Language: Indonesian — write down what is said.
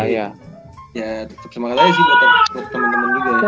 ya tetep semangat aja sih buat temen temen juga ya